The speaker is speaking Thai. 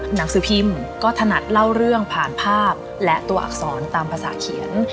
หนังสือพิมพ์ก็ถนัดเล่าเรื่องผ่านภาพและตัวอักษรตามภาษาเขียน